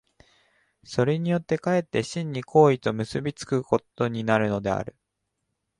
それによって却って真に行為と結び付くことになるのである。